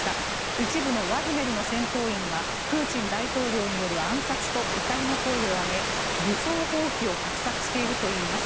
一部のワグネルの戦闘員はプーチン大統領による暗殺と怒りの声を上げ、武装蜂起を画策しているといいます。